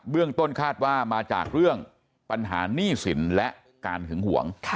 เรื่องต้นคาดว่ามาจากเรื่องปัญหาหนี้สินและการหึงห่วง